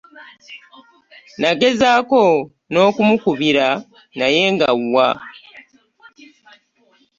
Nengezako n'okumukubira naye nga wwa ?